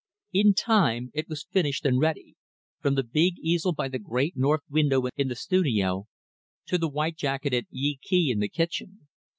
In time, it was finished and ready from the big easel by the great, north window in the studio, to the white jacketed Yee Kee in the kitchen.